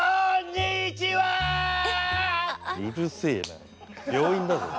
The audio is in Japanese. うるせえな病院だぞ。